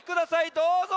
どうぞ！